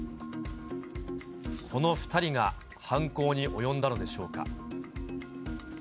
この２人が犯行に及んだのでしょうか。